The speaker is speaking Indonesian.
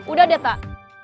udah deh tak